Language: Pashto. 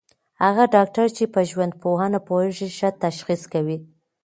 هغه ډاکټر چي په ژوندپوهنه پوهېږي، ښه تشخیص کوي.